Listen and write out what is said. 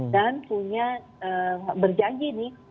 dan punya berjanji nih